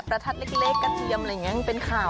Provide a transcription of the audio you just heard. ทัดเล็กกระเทียมอะไรอย่างนี้มันเป็นข่าว